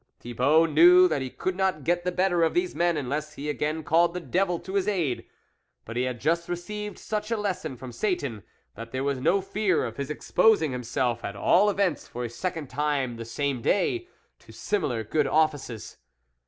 Thibault knew that he could not get the better of these men, unless he again called the devil to his aid ; but he had just received such a lesson from Satan, that there was no fear of his exposing himself, at all events for a second time the same day, to similar good offices.